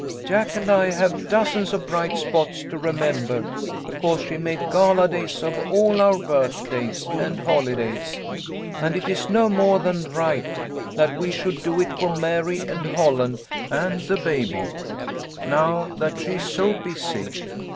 Jack and I have dozens of bright spots to remember because she made gala days of all our birthdays and holidays, and it's no more than right that we should do it for Mary and Holland and the baby, now that she is so busy."